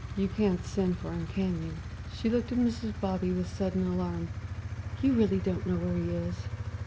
You can't send for him, can you?" She looked at Mrs. Bobby with sudden alarm. "You really don't know where he is?"